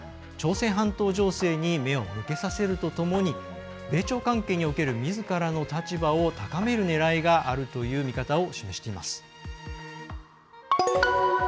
朝鮮半島情勢に目を向けさせるとともに米朝関係におけるみずからの立場を高めるねらいがあるという見方を示しています。